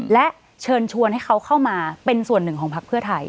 และเชิญชวนให้เขาเข้ามาเป็นส่วนหนึ่งของพักเพื่อไทย